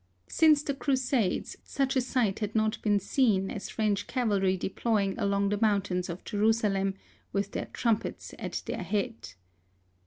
Since the crusades, such a sight had not been seen as French cavalry deploying along the mountains of Jerusalem, with their trum pets at their head.